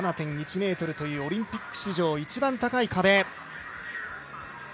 ７．１ｍという、オリンピック史上、一番高い壁。